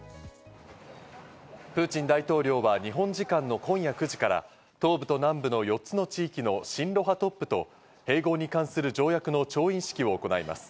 プーチン大統領は日本時間の今夜９時から東部と南部の４つの地域の親露派トップと併合に関する条約の調印式を行います。